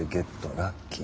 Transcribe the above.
ラッキー！